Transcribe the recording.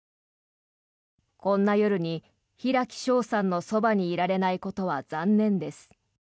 こんな夜に平木省さんのそばにいられないことは残念です。